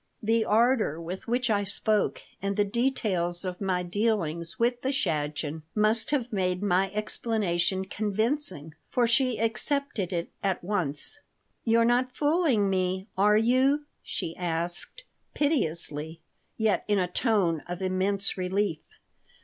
The ardor with which I spoke and the details of my dealings with the shadchen must have made my explanation convincing, for she accepted it at once "You're not fooling me, are you?" she asked, piteously, yet in a tone of immense relief.